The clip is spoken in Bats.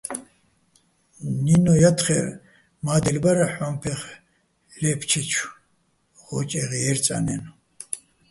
ნინო̆ ჲათხერ: მა́დელ ბარ ჰ̦ო́ჼ ფეხ ლე́ფჩეჩო̆ ღო́ჭეღ ჲე́რწანაჲნო̆.